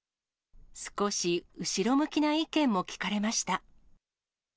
少し後ろ向きな意見も聞かれました。